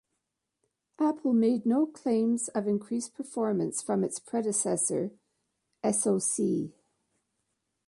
Apple made no claims of increased performance from its predecessor SoC.